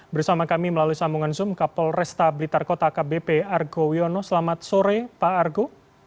bersama kami melalui sambungan zoom kapol resta blitar kota kbp argo wiono selamat sore pak argo